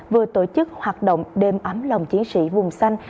vừa tổ chức hoạt động đêm ấm lòng chiến sĩ vùng xanh